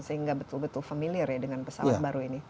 sehingga betul betul familiar ya dengan pesawat baru ini